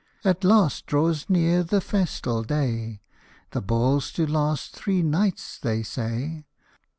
At last draws near the festal day ! The ball 's to last three nights, they say.